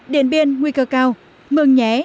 điện biên nguy cơ cao mường nhé